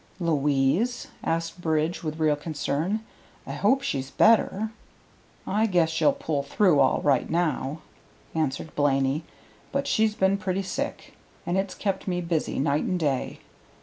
"Louise?" asked Bridge, with real concern. "I hope she's better." "I guess she'll pull through all right now," answered Blaney, "but she's been pretty sick, and it's kept me busy night and day.